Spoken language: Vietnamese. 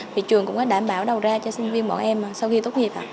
vì trường cũng có đảm bảo đầu ra cho sinh viên bọn em sau khi tốt nghiệp ạ